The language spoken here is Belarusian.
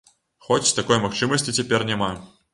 Хоць такой магчымасці цяпер няма.